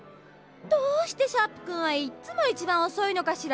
どうしてシャープくんはいっつも一番おそいのかしら。